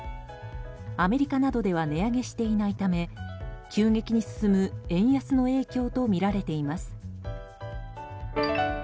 アメリカなどでは値上げしていないため急激に進む円安の影響とみられています。